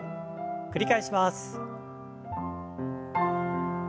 繰り返します。